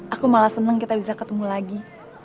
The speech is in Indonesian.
aku malah senang kita bisa ketemu lagi